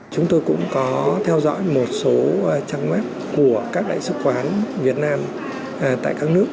chúng tôi cũng có theo dõi một số trang web của các đại sứ quán việt nam tại các nước